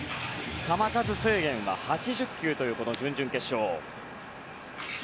球数制限は８０球というこの準々決勝。